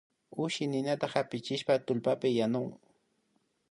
Ushi ninata hapichishpa tullpapi yanuy